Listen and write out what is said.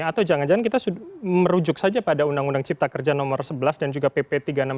atau jangan jangan kita merujuk saja pada undang undang cipta kerja nomor sebelas dan juga pp tiga puluh enam dua ribu dua puluh satu